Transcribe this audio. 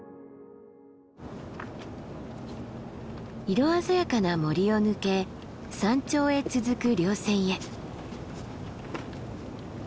色鮮やかな森を抜け山頂へ続く稜線へ。